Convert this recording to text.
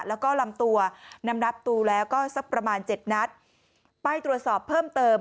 แล้วก็ลำตัวนำนับดูแล้วก็สักประมาณเจ็ดนัดไปตรวจสอบเพิ่มเติม